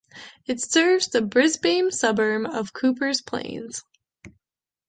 It serves the Brisbane suburb of Coopers Plains.